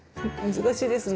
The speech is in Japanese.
難しいですね。